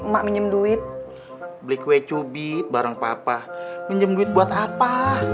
emak minum duit beli kue cubit bareng papa minum duit buat apa